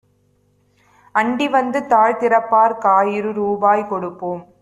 அண்டிவந்து தாழ்திறப்பார்க் காயிரரூ பாய்கொடுப்போம்.